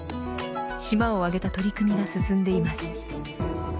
島を挙げた取り組みが進んでいます。